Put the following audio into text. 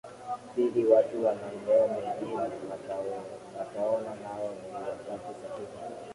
pili watu wa maeneo mengine wataona nao ni wakati sahihi